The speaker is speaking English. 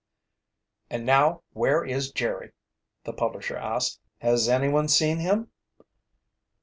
"And now, where is Jerry?" the publisher asked. "Has anyone seen him?"